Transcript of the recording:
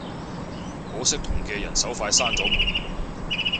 可惜同嘅人手快閂咗門